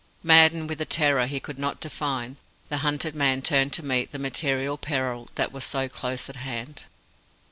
Maddened with a terror he could not define, the hunted man turned to meet the material peril that was so close at hand.